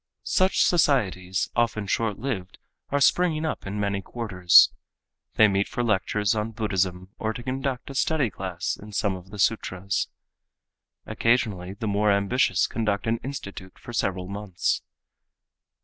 Such societies, often short lived, are springing up in many quarters. They meet for lectures on Buddhism or to conduct a study class in some of the sutras. Occasionally the more ambitious conduct an institute for several months.